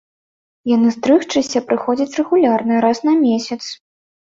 Яны стрыгчыся прыходзяць рэгулярна, раз на месяц.